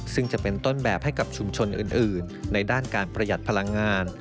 ซึ่งจะเป็นต้นแบบให้กับชุมชนอื่นในด้านการประหยัดพลังงาน